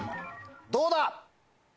どうだ？